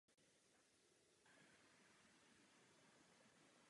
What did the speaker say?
Byla porotce v pořadu Dancing with the Stars.